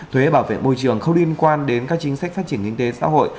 thuế bảo vệ môi trường không liên quan đến các chính sách phát triển kinh tế xã hội